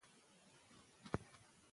شپږ یادې شوې برخې کمزوري دي.